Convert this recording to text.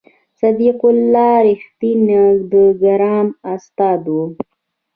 صدیق الله رښتین د ګرامر استاد و.